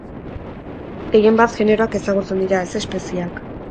Gehien bat generoak ezagutzen dira ez espezieak.